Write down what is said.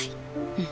うん。